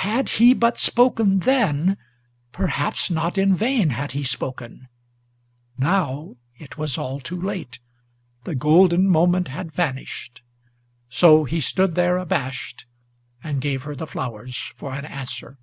Had he but spoken then! perhaps not in vain had he spoken; Now it was all too late; the golden moment had vanished! So he stood there abashed, and gave her the flowers for an answer.